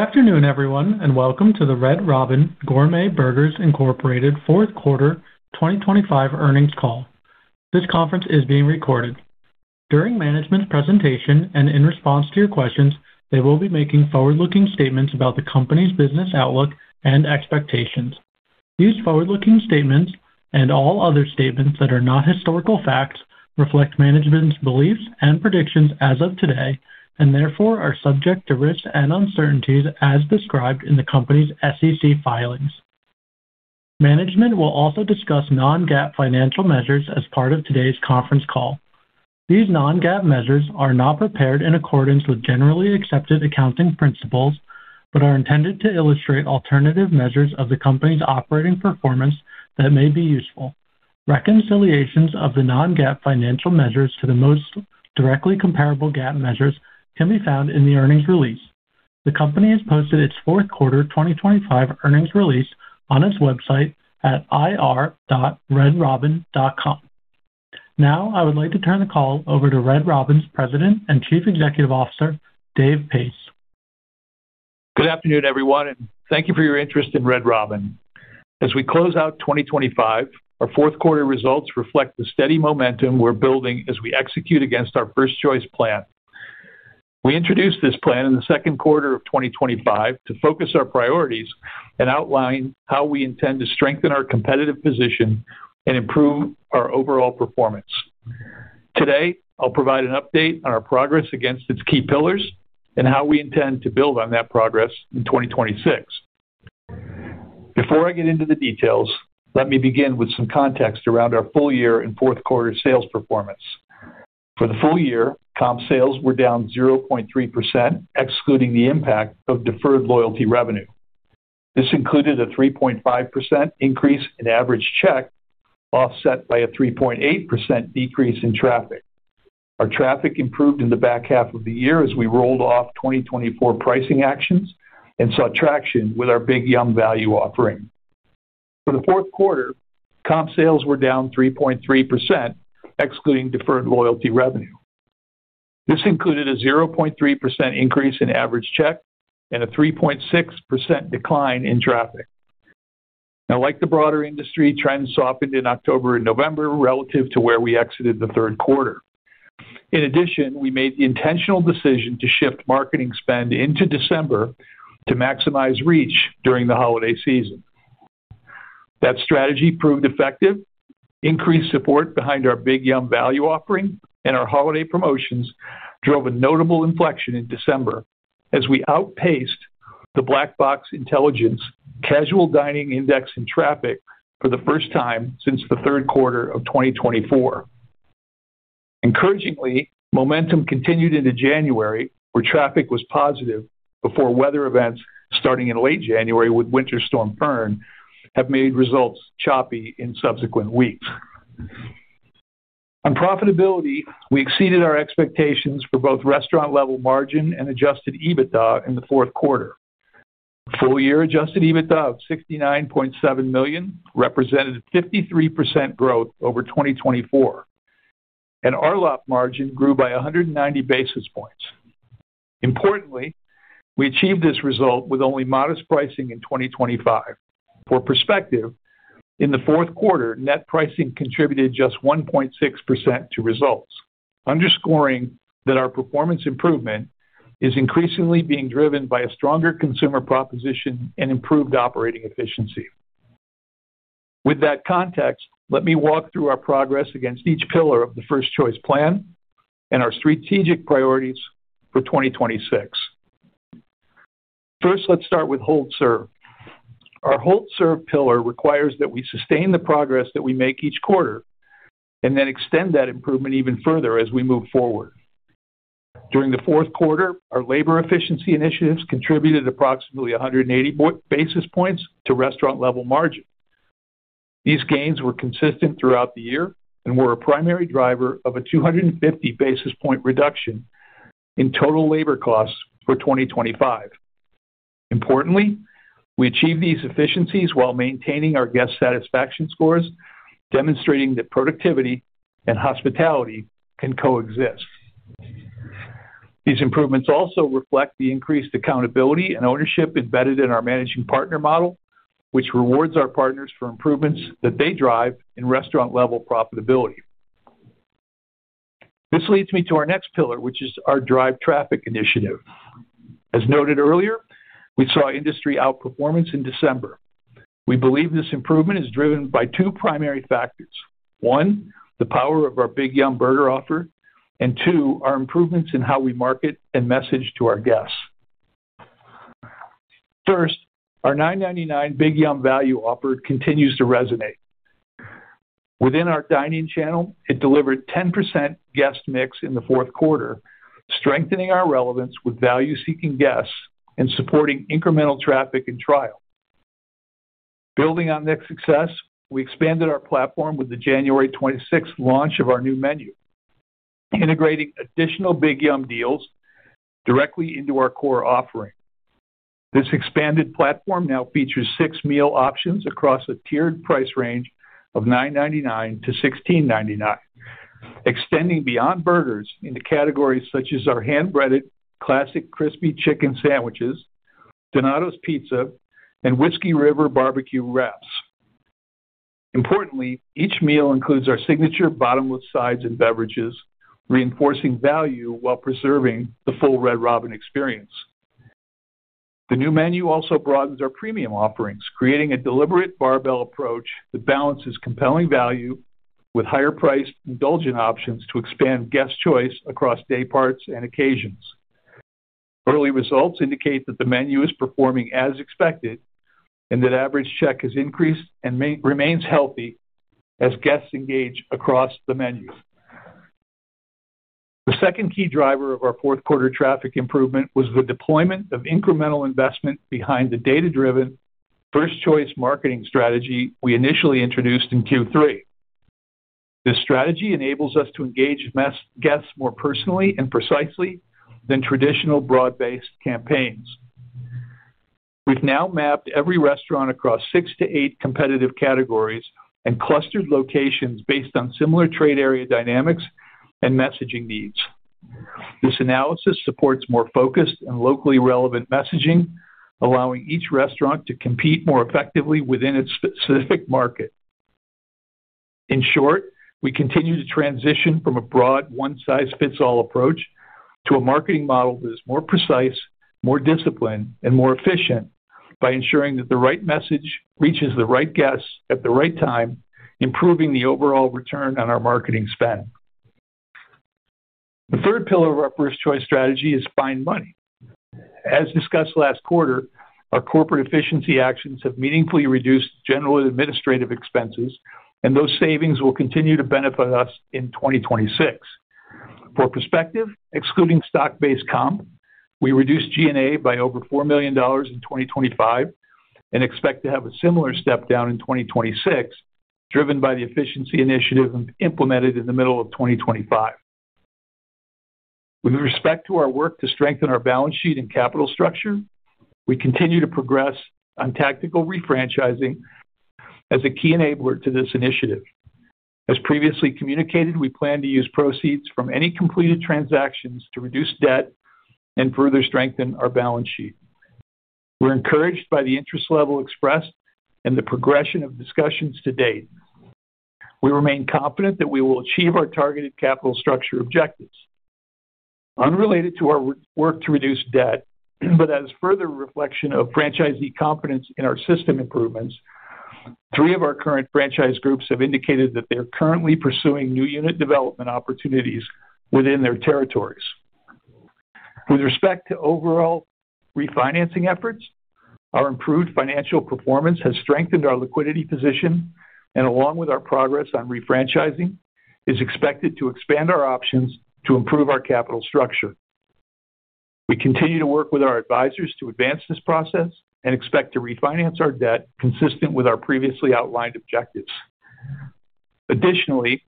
Afternoon, everyone, and welcome to the Red Robin Gourmet Burgers, Inc. fourth quarter 2025 earnings call. This conference is being recorded. During management's presentation and in response to your questions, they will be making forward-looking statements about the company's business outlook and expectations. These forward-looking statements, and all other statements that are not historical facts, reflect management's beliefs and predictions as of today, and therefore are subject to risks and uncertainties as described in the company's SEC filings. Management will also discuss non-GAAP financial measures as part of today's conference call. These non-GAAP measures are not prepared in accordance with generally accepted accounting principles, but are intended to illustrate alternative measures of the company's operating performance that may be useful. Reconciliations of the non-GAAP financial measures to the most directly comparable GAAP measures can be found in the earnings release. The company has posted its fourth quarter 2025 earnings release on its website at ir.redrobin.com. Now, I would like to turn the call over to Red Robin's President and Chief Executive Officer, Dave Pace. Good afternoon, everyone, and thank you for your interest in Red Robin. As we close out 2025, our fourth quarter results reflect the steady momentum we're building as we execute against our First Choice plan. We introduced this plan in the second quarter of 2025 to focus our priorities and outline how we intend to strengthen our competitive position and improve our overall performance. Today, I'll provide an update on our progress against its key pillars and how we intend to build on that progress in 2026. Before I get into the details, let me begin with some context around our full year and fourth quarter sales performance. For the full year, comp sales were down 0.3%, excluding the impact of deferred loyalty revenue. This included a 3.5% increase in average check, offset by a 3.8% decrease in traffic. Our traffic improved in the back half of the year as we rolled off 2024 pricing actions and saw traction with Big YUMMM value offering. For the fourth quarter, comp sales were down 3.3%, excluding deferred loyalty revenue. This included a 0.3% increase in average check and a 3.6% decline in traffic. Now, like the broader industry, trends softened in October and November relative to where we exited the third quarter. In addition, we made the intentional decision to shift marketing spend into December to maximize reach during the holiday season. That strategy proved effective. Increased support behind Big YUMMM value offering and our holiday promotions drove a notable inflection in December as we outpaced the Black Box Intelligence Casual Dining Index in traffic for the first time since the third quarter of 2024. Encouragingly, momentum continued into January, where traffic was positive before weather events starting in late January with Winter Storm Fern have made results choppy in subsequent weeks. On profitability, we exceeded our expectations for both restaurant-level margin and adjusted EBITDA in the fourth quarter. Full-year adjusted EBITDA of $69.7 million represented a 53% growth over 2024, and RLOP margin grew by 190 basis points. Importantly, we achieved this result with only modest pricing in 2025. For perspective, in the fourth quarter, net pricing contributed just 1.6% to results, underscoring that our performance improvement is increasingly being driven by a stronger consumer proposition and improved operating efficiency. With that context, let me walk through our progress against each pillar of the First Choice plan and our strategic priorities for 2026. First, let's start with hold serve. Our Hold Serve pillar requires that we sustain the progress that we make each quarter and then extend that improvement even further as we move forward. During the fourth quarter, our labor efficiency initiatives contributed approximately 180 basis points to restaurant-level margin. These gains were consistent throughout the year and were a primary driver of a 250 basis point reduction in total labor costs for 2025. Importantly, we achieved these efficiencies while maintaining our guest satisfaction scores, demonstrating that productivity and hospitality can coexist. These improvements also reflect the increased accountability and ownership embedded in our managing partner model, which rewards our partners for improvements that they drive in restaurant-level profitability. This leads me to our next pillar, which is our drive traffic initiative. As noted earlier, we saw industry outperformance in December. We believe this improvement is driven by two primary factors: one, the power of Big YUMMM burger offer, and two, our improvements in how we market and message to our guests. First, our Big YUMMM value offer continues to resonate. Within our dine-in channel, it delivered 10% guest mix in the fourth quarter, strengthening our relevance with value-seeking guests and supporting incremental traffic and trial. Building on that success, we expanded our platform with the January 26th launch of our new menu, integrating Big YUMMM deals directly into our core offering. This expanded platform now features six meal options across a tiered price range of $9.99-$16.99, extending beyond burgers into categories such as our hand-breaded classic crispy chicken sandwiches, Donatos Pizza, and Whiskey River BBQ wraps. Importantly, each meal includes our signature bottomless sides and beverages, reinforcing value while preserving the full Red Robin experience. The new menu also broadens our premium offerings, creating a deliberate barbell approach that balances compelling value with higher-priced indulgent options to expand guest choice across day parts and occasions. Early results indicate that the menu is performing as expected, and that average check has increased and remains healthy as guests engage across the menu. The second key driver of our fourth quarter traffic improvement was the deployment of incremental investment behind the data-driven First Choice marketing strategy we initially introduced in Q3. This strategy enables us to engage guests more personally and precisely than traditional broad-based campaigns. We've now mapped every restaurant across six to eight competitive categories and clustered locations based on similar trade area dynamics and messaging needs. This analysis supports more focused and locally relevant messaging, allowing each restaurant to compete more effectively within its specific market. In short, we continue to transition from a broad one-size-fits-all approach to a marketing model that is more precise, more disciplined, and more efficient by ensuring that the right message reaches the right guests at the right time, improving the overall return on our marketing spend. The third pillar of our First Choice strategy is find money. As discussed last quarter, our corporate efficiency actions have meaningfully reduced general and administrative expenses, and those savings will continue to benefit us in 2026. For perspective, excluding stock-based comp, we reduced G&A by over $4 million in 2025 and expect to have a similar step down in 2026, driven by the efficiency initiative implemented in the middle of 2025. With respect to our work to strengthen our balance sheet and capital structure, we continue to progress on tactical refranchising as a key enabler to this initiative. As previously communicated, we plan to use proceeds from any completed transactions to reduce debt and further strengthen our balance sheet. We're encouraged by the interest level expressed and the progression of discussions to date. We remain confident that we will achieve our targeted capital structure objectives. Unrelated to our work to reduce debt, but as further reflection of franchisee confidence in our system improvements, three of our current franchise groups have indicated that they're currently pursuing new unit development opportunities within their territories. With respect to overall refinancing efforts, our improved financial performance has strengthened our liquidity position, and along with our progress on refranchising, is expected to expand our options to improve our capital structure. We continue to work with our advisors to advance this process and expect to refinance our debt consistent with our previously outlined objectives. Additionally,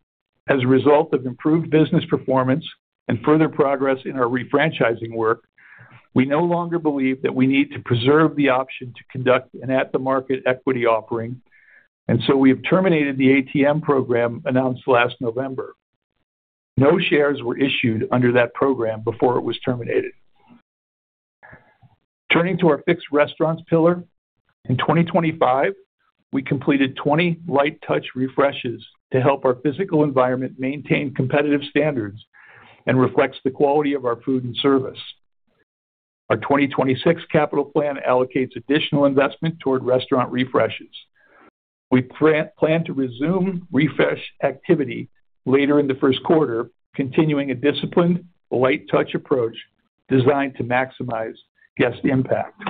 as a result of improved business performance and further progress in our refranchising work, we no longer believe that we need to preserve the option to conduct an at-the-market equity offering, and so we have terminated the ATM Program announced last November. No shares were issued under that program before it was terminated. Turning to our fixed restaurants pillar, in 2025, we completed 20 light-touch refreshes to help our physical environment maintain competitive standards and reflects the quality of our food and service. Our 2026 capital plan allocates additional investment toward restaurant refreshes. We plan to resume refresh activity later in the first quarter, continuing a disciplined, light-touch approach designed to maximize guest impact.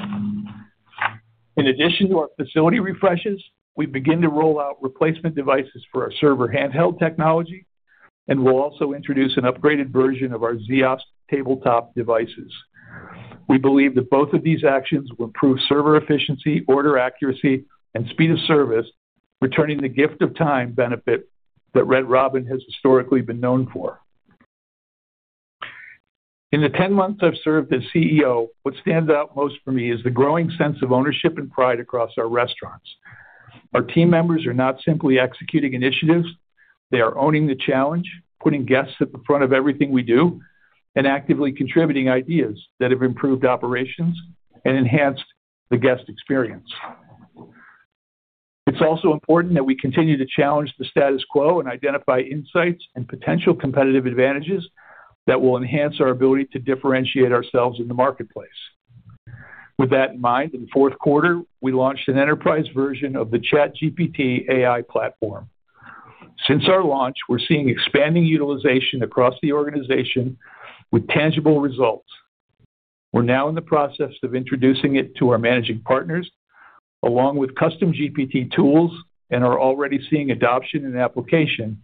In addition to our facility refreshes, we begin to roll out replacement devices for our server handheld technology, and we'll also introduce an upgraded version of our Ziosk tabletop devices. We believe that both of these actions will improve server efficiency, order accuracy, and speed of service, returning the gift of time benefit that Red Robin has historically been known for. In the 10 months I've served as CEO, what stands out most for me is the growing sense of ownership and pride across our restaurants. Our team members are not simply executing initiatives, they are owning the challenge, putting guests at the front of everything we do, and actively contributing ideas that have improved operations and enhanced the guest experience. It's also important that we continue to challenge the status quo and identify insights and potential competitive advantages that will enhance our ability to differentiate ourselves in the marketplace. With that in mind, in the fourth quarter, we launched an enterprise version of the ChatGPT AI platform. Since our launch, we're seeing expanding utilization across the organization with tangible results. We're now in the process of introducing it to our managing partners, along with custom GPT tools, and are already seeing adoption and application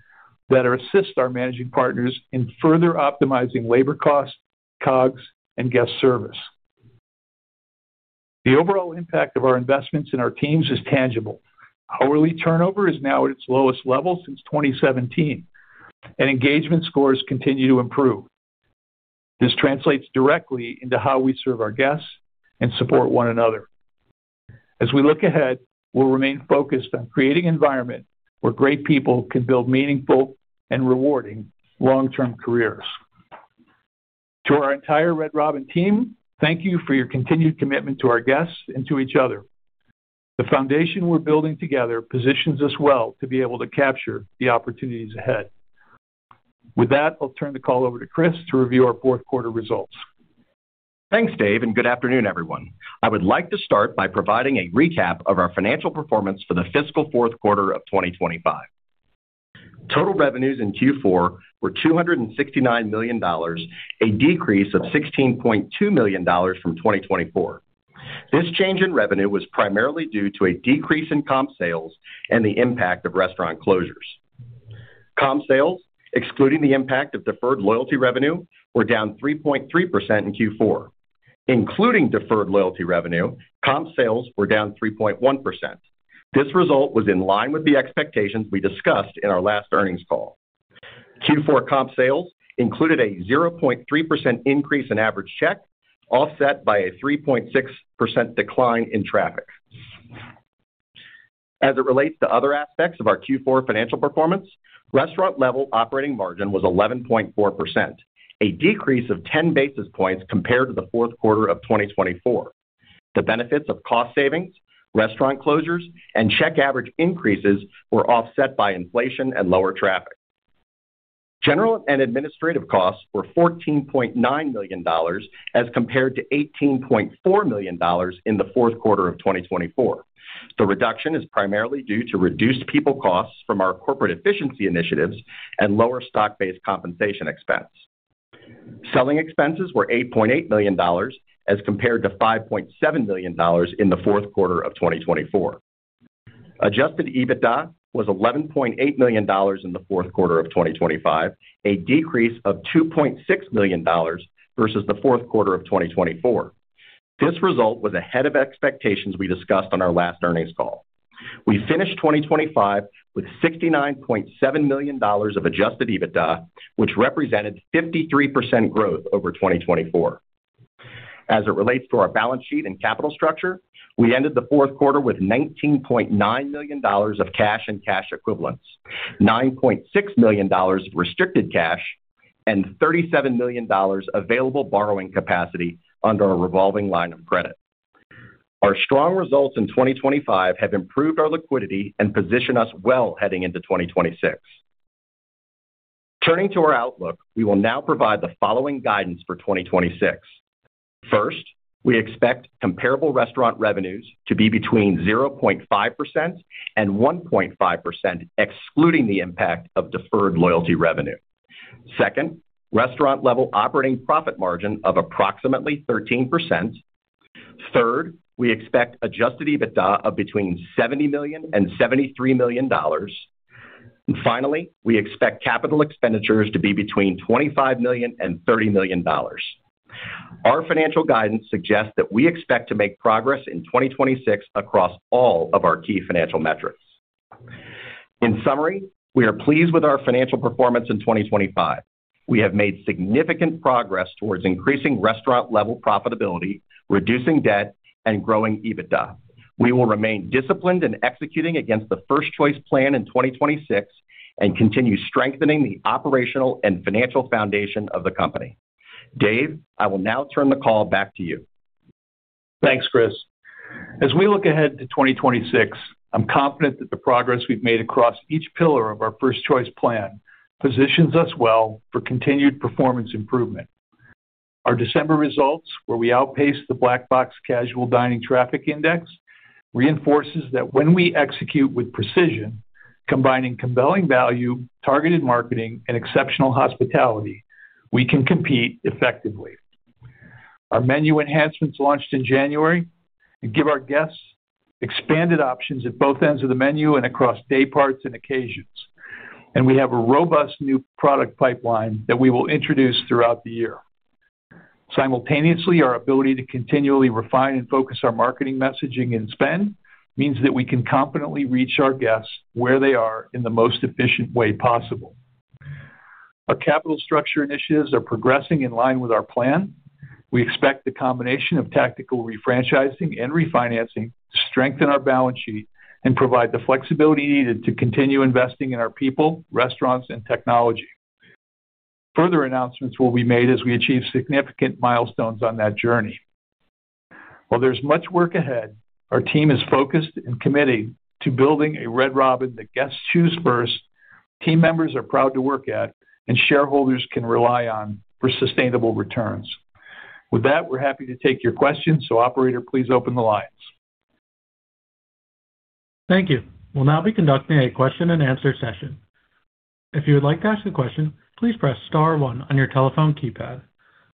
that assist our managing partners in further optimizing labor costs, COGS, and guest service. The overall impact of our investments in our teams is tangible. Hourly turnover is now at its lowest level since 2017, and engagement scores continue to improve. This translates directly into how we serve our guests and support one another. As we look ahead, we'll remain focused on creating environment where great people can build meaningful and rewarding long-term careers. To our entire Red Robin team, thank you for your continued commitment to our guests and to each other. The foundation we're building together positions us well to be able to capture the opportunities ahead. With that, I'll turn the call over to Chris to review our fourth quarter results. Thanks, Dave. Good afternoon, everyone. I would like to start by providing a recap of our financial performance for the fiscal fourth quarter of 2025. Total revenues in Q4 were $269 million, a decrease of $16.2 million from 2024. This change in revenue was primarily due to a decrease in comp sales and the impact of restaurant closures. Comp sales, excluding the impact of deferred loyalty revenue, were down 3.3% in Q4. Including deferred loyalty revenue, comp sales were down 3.1%. This result was in line with the expectations we discussed in our last earnings call. Q4 comp sales included a 0.3% increase in average check, offset by a 3.6% decline in traffic. As it relates to other aspects of our Q4 financial performance, restaurant-level operating margin was 11.4%, a decrease of 10 basis points compared to the fourth quarter of 2024. The benefits of cost savings, restaurant closures, and check average increases were offset by inflation and lower traffic. General and administrative costs were $14.9 million, as compared to $18.4 million in the fourth quarter of 2024. The reduction is primarily due to reduced people costs from our corporate efficiency initiatives and lower stock-based compensation expense. Selling expenses were $8.8 million, as compared to $5.7 million in the fourth quarter of 2024. Adjusted EBITDA was $11.8 million in the fourth quarter of 2025, a decrease of $2.6 million versus the fourth quarter of 2024. This result was ahead of expectations we discussed on our last earnings call. We finished 2025 with $69.7 million of adjusted EBITDA, which represented 53% growth over 2024. As it relates to our balance sheet and capital structure, we ended the fourth quarter with $19.9 million of cash and cash equivalents, $9.6 million restricted cash, and $37 million available borrowing capacity under a revolving line of credit. Our strong results in 2025 have improved our liquidity and position us well heading into 2026. Turning to our outlook, we will now provide the following guidance for 2026. First, we expect comparable restaurant revenues to be between 0.5% and 1.5%, excluding the impact of deferred loyalty revenue. Second, restaurant-level operating profit margin of approximately 13%. Third, we expect adjusted EBITDA of between $70 million and $73 million. Finally, we expect capital expenditures to be between $25 million and $30 million. Our financial guidance suggests that we expect to make progress in 2026 across all of our key financial metrics. In summary, we are pleased with our financial performance in 2025. We have made significant progress towards increasing restaurant-level profitability, reducing debt, and growing EBITDA. We will remain disciplined in executing against the First Choice plan in 2026 and continue strengthening the operational and financial foundation of the company. Dave, I will now turn the call back to you. Thanks, Chris. As we look ahead to 2026, I'm confident that the progress we've made across each pillar of our First Choice plan positions us well for continued performance improvement. Our December results, where we outpaced the Black Box Casual Dining traffic Index, reinforces that when we execute with precision, combining compelling value, targeted marketing, and exceptional hospitality, we can compete effectively. Our menu enhancements launched in January and give our guests expanded options at both ends of the menu and across day parts and occasions. We have a robust new product pipeline that we will introduce throughout the year. Simultaneously, our ability to continually refine and focus our marketing messaging and spend means that we can confidently reach our guests where they are in the most efficient way possible. Our capital structure initiatives are progressing in line with our plan. We expect the combination of tactical refranchising and refinancing to strengthen our balance sheet and provide the flexibility needed to continue investing in our people, restaurants, and technology. Further announcements will be made as we achieve significant milestones on that journey. While there's much work ahead, our team is focused and committed to building a Red Robin that guests choose first, team members are proud to work at, and shareholders can rely on for sustainable returns. With that, we're happy to take your questions. Operator, please open the lines. Thank you. We'll now be conducting a question-and-answer session. If you would like to ask a question, please press star one on your telephone keypad.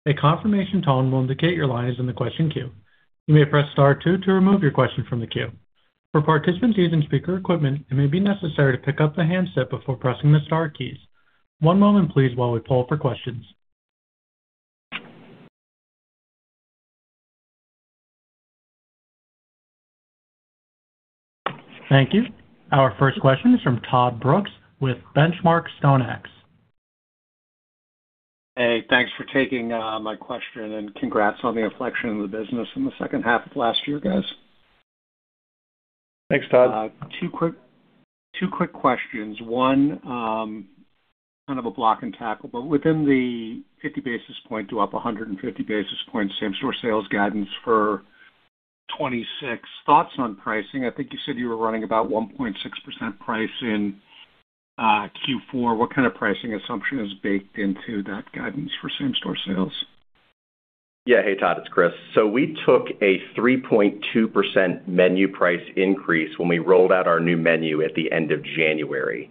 A confirmation tone will indicate your line is in the question queue. You may press star two to remove your question from the queue. For participants using speaker equipment, it may be necessary to pick up the handset before pressing the star keys. One moment please while we poll for questions. Thank you. Our first question is from Todd Brooks with Benchmark StoneX. Hey, thanks for taking my question. Congrats on the inflection of the business in the second half of last year, guys. Thanks, Todd. Two quick questions. One, kind of a block and tackle, but within the 50 basis point to up a 150 basis point same-store sales guidance for 2026, thoughts on pricing? I think you said you were running about 1.6% price in Q4. What kind of pricing assumption is baked into that guidance for same-store sales? Yeah. Hey, Todd, it's Chris. We took a 3.2% menu price increase when we rolled out our new menu at the end of January.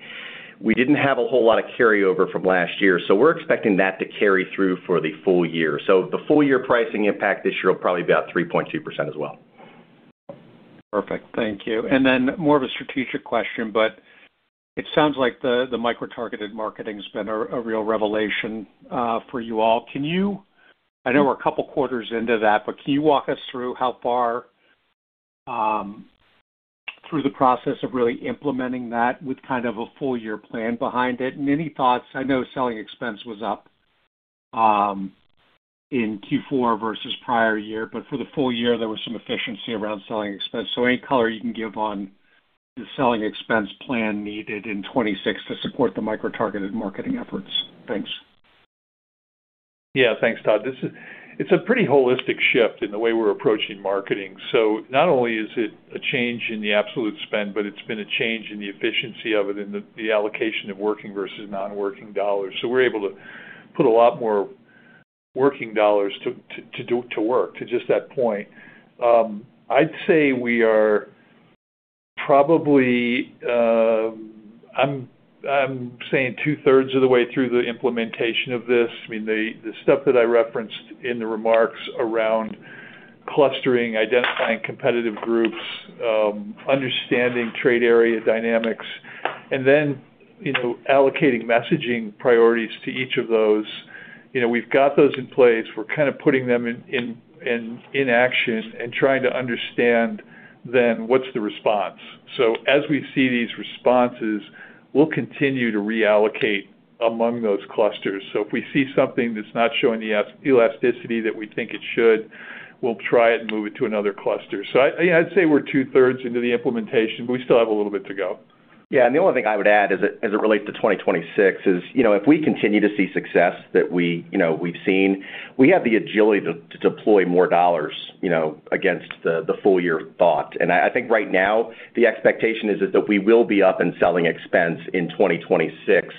We didn't have a whole lot of carryover from last year, so we're expecting that to carry through for the full year. The full year pricing impact this year will probably be about 3.2% as well. Perfect. Thank you. Then more of a strategic question, but it sounds like the micro-targeted marketing's been a real revelation for you all. I know we're a couple of quarters into that, but can you walk us through how far through the process of really implementing that with kind of a full year plan behind it? Any thoughts, I know selling expense was up in Q4 versus prior year, but for the full year, there was some efficiency around selling expense. Any color you can give on the selling expense plan needed in 2026 to support the micro-targeted marketing efforts? Thanks. Thanks, Todd. It's a pretty holistic shift in the way we're approaching marketing. Not only is it a change in the absolute spend, but it's been a change in the efficiency of it and the allocation of working versus non-working dollars. We're able to put a lot more working dollars to work, to just that point. I'd say we are probably, I'm saying 2/3 of the way through the implementation of this. I mean, the stuff that I referenced in the remarks around clustering, identifying competitive groups, understanding trade area dynamics, and then, you know, allocating messaging priorities to each of those, you know, we've got those in place. We're kind of putting them in action and trying to understand what's the response. As we see these responses, we'll continue to reallocate among those clusters. If we see something that's not showing the elasticity that we think it should, we'll try it and move it to another cluster. I'd say we're 2/3 into the implementation, but we still have a little bit to go. The only thing I would add as it, as it relates to 2026 is, you know, if we continue to see success that we, you know, we've seen, we have the agility to deploy more dollars, you know, against the full year thought. I think right now, the expectation is that we will be up in selling expense in 2026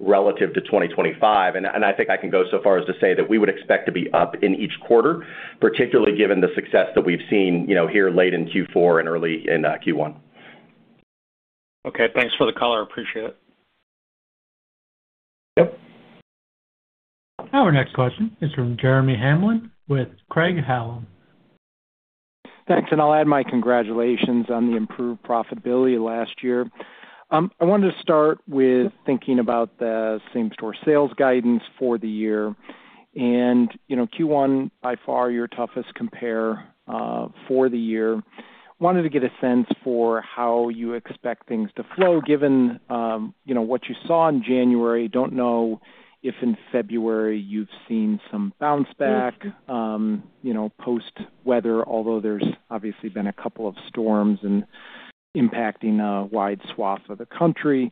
relative to 2025. I think I can go so far as to say that we would expect to be up in each quarter, particularly given the success that we've seen, you know, here late in Q4 and early in Q1. Okay, thanks for the color. I appreciate it. Yep. Our next question is from Jeremy Hamblin with Craig-Hallum. Thanks. I'll add my congratulations on the improved profitability last year. I wanted to start with thinking about the same-store sales guidance for the year. You know, Q1, by far, your toughest compare for the year. Wanted to get a sense for how you expect things to flow, given, you know, what you saw in January. Don't know if in February you've seen some bounce back, you know, post-weather, although there's obviously been a two of storms and impacting a wide swath of the country.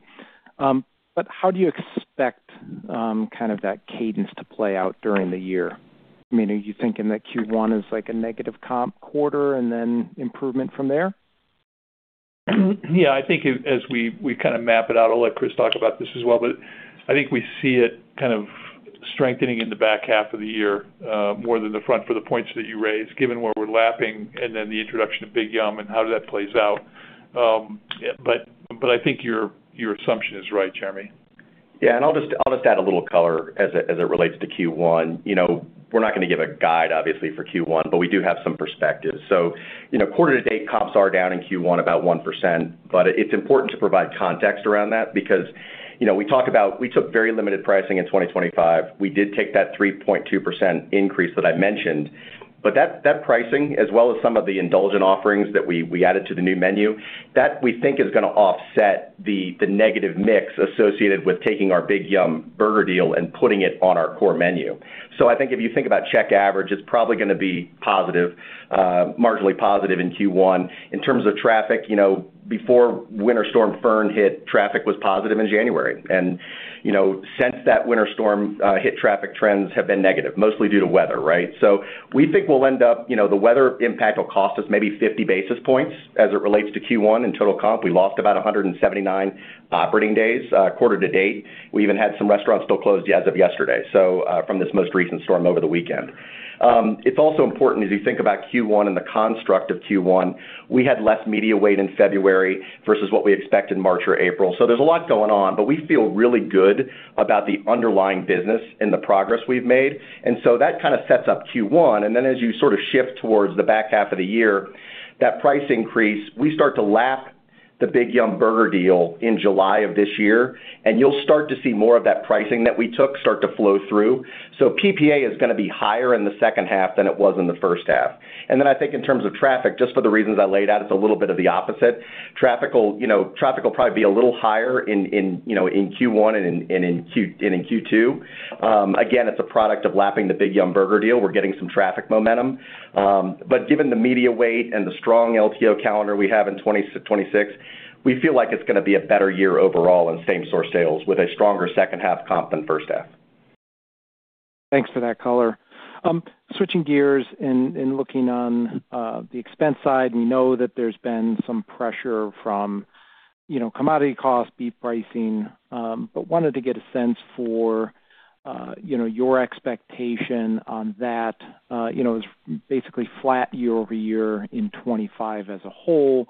How do you expect kind of that cadence to play out during the year? I mean, are you thinking that Q1 is like a negative comp quarter and then improvement from there? I think as we kind of map it out, I'll let Chris talk about this as well, but I think we see it kind of strengthening in the back half of the year, more than the front for the points that you raised, given where we're lapping and then the introduction Big YUMMM and how that plays out. I think your assumption is right, Jeremy. Yeah, I'll just add a little color as it relates to Q1. You know, we're not gonna give a guide, obviously, for Q1. We do have some perspective. You know, quarter to date, comps are down in Q1 about 1%. It's important to provide context around that because, you know, we took very limited pricing in 2025. We did take that 3.2% increase that I mentioned. That pricing, as well as some of the indulgent offerings that we added to the new menu, that we think is gonna offset the negative mix associated with taking Big YUMMM burger deal and putting it on our core menu. I think if you think about check average, it's probably gonna be positive, marginally positive in Q1. In terms of traffic, you know, before Winter Storm Fern hit, traffic was positive in January. You know, since that winter storm hit, traffic trends have been negative, mostly due to weather, right? We think we'll end up, you know, the weather impact will cost us maybe 50 basis points as it relates to Q1 and total comp. We lost about 179 operating days quarter to date. We even had some restaurants still closed as of yesterday, so from this most recent storm over the weekend. It's also important as you think about Q1 and the construct of Q1, we had less media weight in February versus what we expect in March or April. There's a lot going on, but we feel really good about the underlying business and the progress we've made, and so that kind of sets up Q1. As you sort of shift towards the back half of the year, that price increase, we start Big YUMMM Burger Deal in July of this year, and you'll start to see more of that pricing that we took start to flow through. PPA is going to be higher in the second half than it was in the first half. I think in terms of traffic, just for the reasons I laid out, it's a little bit of the opposite. Traffic will, you know, traffic will probably be a little higher in, you know, in Q1 and in Q2. Again, it's a product of lapping Big YUMMM Burger Deal. We're getting some traffic momentum. Given the media weight and the strong LTO calendar we have in 2026, we feel like it's going to be a better year overall in same-store sales with a stronger second half comp than first half. Thanks for that color. Switching gears and looking on the expense side, we know that there's been some pressure from, you know, commodity costs, beef pricing, wanted to get a sense for, you know, your expectation on that. You know, it was basically flat year-over-year in 2025 as a whole,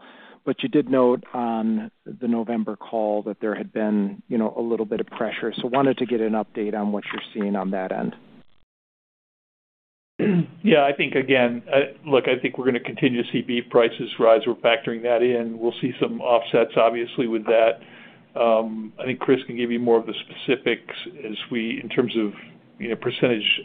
you did note on the November call that there had been, you know, a little bit of pressure. Wanted to get an update on what you're seeing on that end? Yeah, I think again, look, I think we're going to continue to see beef prices rise. We're factoring that in. We'll see some offsets, obviously, with that. I think Chris can give you more of the specifics in terms of, you know, percentage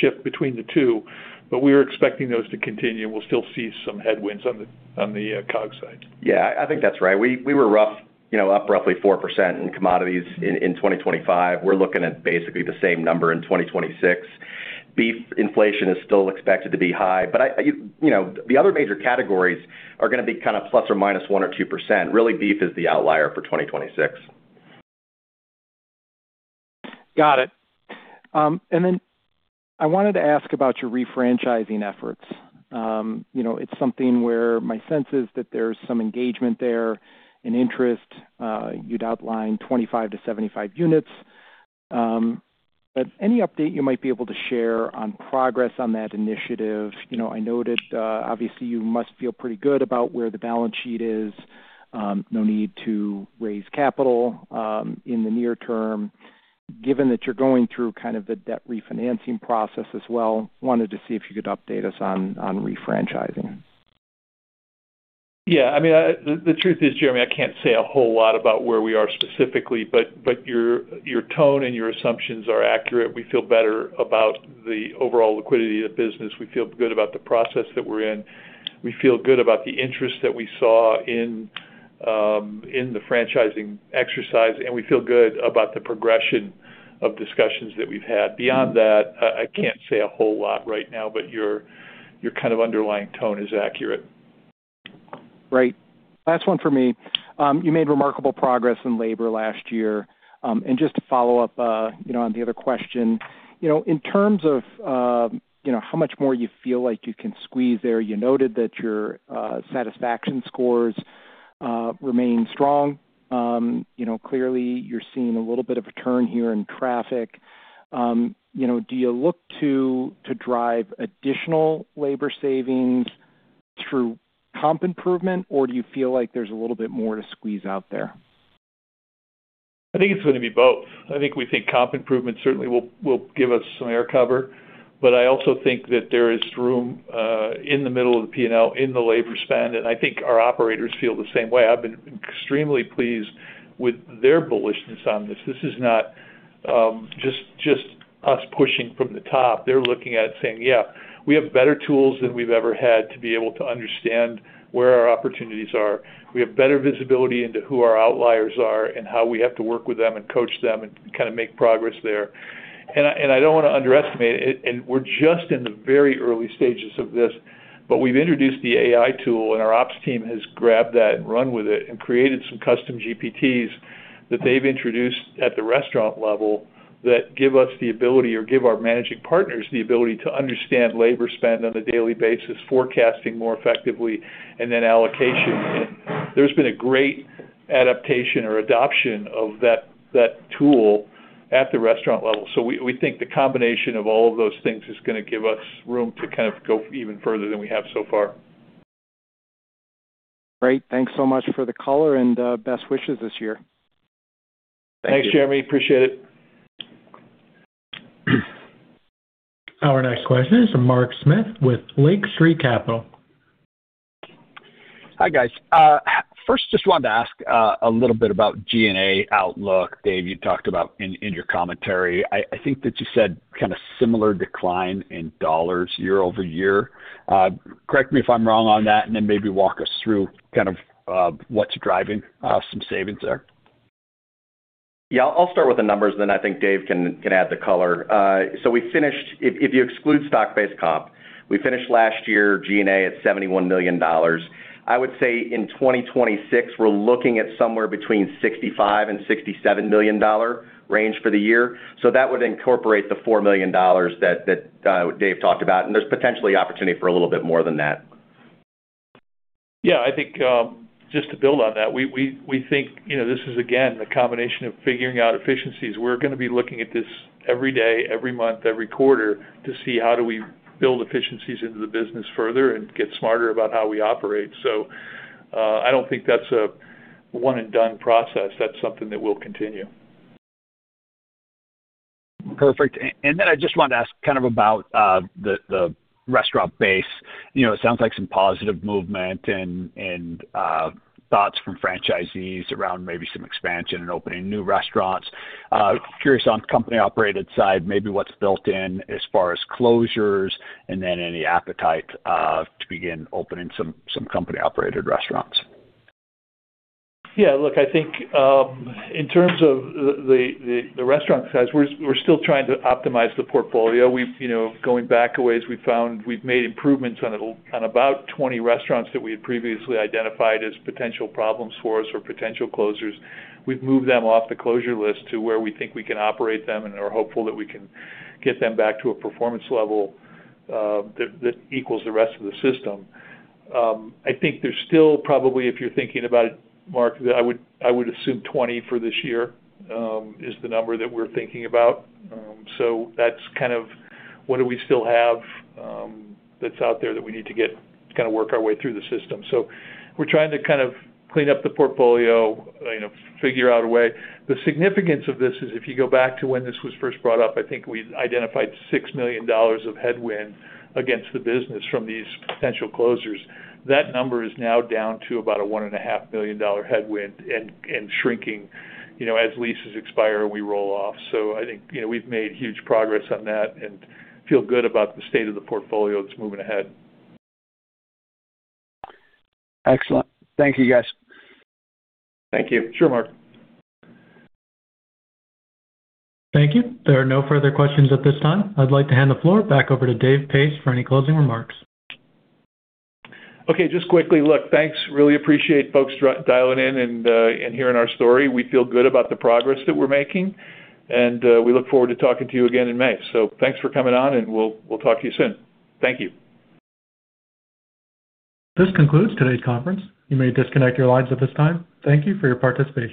shift between the two. We are expecting those to continue, and we'll still see some headwinds on the, on the COGS side. Yeah, I think that's right. We were, you know, up roughly 4% in commodities in 2025. We're looking at basically the same number in 2026. Beef inflation is still expected to be high. You know, the other major categories are going to be kind of ±1% or 2%. Really, beef is the outlier for 2026. Got it. I wanted to ask about your refranchising efforts. You know, it's something where my sense is that there's some engagement there and interest. You'd outlined 25 to 75 units. Any update you might be able to share on progress on that initiative? You know, I noted, obviously, you must feel pretty good about where the balance sheet is. No need to raise capital in the near term. Given that you're going through kind of the debt refinancing process as well, wanted to see if you could update us on refranchising. I mean, I, the truth is, Jeremy, I can't say a whole lot about where we are specifically, but your tone and your assumptions are accurate. We feel better about the overall liquidity of the business. We feel good about the process that we're in. We feel good about the interest that we saw in the franchising exercise, and we feel good about the progression of discussions that we've had. Beyond that, I can't say a whole lot right now, but your kind of underlying tone is accurate. Great. Last one for me. You made remarkable progress in labor last year. Just to follow up, you know, on the other question, you know, in terms of, you know, how much more you feel like you can squeeze there, you noted that your satisfaction scores remain strong. You know, clearly, you're seeing a little bit of a turn here in traffic. You know, do you look to drive additional labor savings through comp improvement, or do you feel like there's a little bit more to squeeze out there? I think it's going to be both. I think we think comp improvement certainly will give us some air cover, but I also think that there is room in the middle of the P&L, in the labor spend, and I think our operators feel the same way. I've been extremely pleased with their bullishness on this. This is not just us pushing from the top. They're looking at it saying, "Yeah, we have better tools than we've ever had to be able to understand where our opportunities are. We have better visibility into who our outliers are and how we have to work with them and coach them and kind of make progress there. I, and I don't want to underestimate it, and we're just in the very early stages of this, but we've introduced the AI tool, and our ops team has grabbed that and run with it and created some custom GPTs that they've introduced at the restaurant level that give us the ability or give our managing partners the ability to understand labor spend on a daily basis, forecasting more effectively, and then allocation. There's been a great adaptation or adoption of that tool at the restaurant level. We, we think the combination of all of those things is going to give us room to kind of go even further than we have so far. Great. Thanks so much for the color, and best wishes this year. Thanks, Jeremy. Appreciate it. Our next question is Mark Smith with Lake Street Capital. Hi, guys. first, just wanted to ask a little bit about G&A outlook. Dave, you talked about in your commentary. I think that you said kind of similar decline in dollars year-over-year. correct me if I'm wrong on that, and then maybe walk us through kind of what's driving some savings there? Yeah, I'll start with the numbers, then I think Dave can add the color. so we finished if you exclude stock-based comp, we finished last year G&A at $71 million. I would say in 2026, we're looking at somewhere between $65 million-$67 million range for the year. That would incorporate the $4 million that Dave talked about, and there's potentially opportunity for a little bit more than that. Yeah, I think, just to build on that, we think, you know, this is, again, a combination of figuring out efficiencies. We're going to be looking at this every day, every month, every quarter to see how do we build efficiencies into the business further and get smarter about how we operate. I don't think that's a one-and-done process. That's something that will continue. Perfect. I just wanted to ask kind of about the restaurant base. You know, it sounds like some positive movement and thoughts from franchisees around maybe some expansion and opening new restaurants. Curious on company-operated side, maybe what's built in as far as closures, and then any appetite to begin opening some company-operated restaurants. Yeah, look, I think, in terms of the restaurant size, we're still trying to optimize the portfolio. We've, you know, going back a ways, we found we've made improvements on about 20 restaurants that we had previously identified as potential problems for us or potential closures. We've moved them off the closure list to where we think we can operate them and are hopeful that we can get them back to a performance level that equals the rest of the system. I think there's still probably, if you're thinking about it, Mark, that I would assume 20 for this year is the number that we're thinking about. That's kind of what do we still have that's out there that we need to get to kind of work our way through the system. We're trying to kind of clean up the portfolio, you know, figure out a way. The significance of this is if you go back to when this was first brought up, I think we identified $6 million of headwind against the business from these potential closures. That number is now down to about a $1.5 million headwind and shrinking, you know, as leases expire, we roll off. I think, you know, we've made huge progress on that and feel good about the state of the portfolio that's moving ahead. Excellent. Thank you, guys. Thank you. Sure, Mark. Thank you. There are no further questions at this time. I'd like to hand the floor back over to Dave Pace for any closing remarks. Okay, just quickly. Look, thanks. Really appreciate folks dialing in and hearing our story. We feel good about the progress that we're making, and we look forward to talking to you again in May. Thanks for coming on, and we'll talk to you soon. Thank you. This concludes today's conference. You may disconnect your lines at this time. Thank you for your participation.